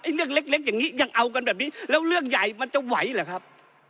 เรื่องเล็กอย่างนี้ยังเอากันแบบนี้แล้วเรื่องใหญ่มันจะไหวเหรอครับ